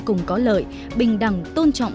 cùng có lợi bình đẳng tôn trọng